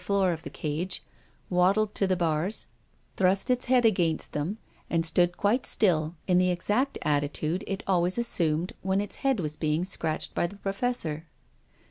floor of the cage, waddled to the bars, thrust its head against them, and stood quite still in the exact attitude it always assumed when its head was being scratched by the Professor.